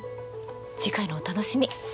次回のお楽しみ。